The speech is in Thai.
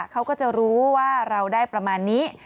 เขาก็จะรู้ว่าเราได้ประมาณนี้